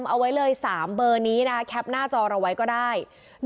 เอาไว้เลย๓เบอร์นี้นะคะแคปหน้าจอเราไว้ก็ได้